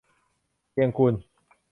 เชียงกูล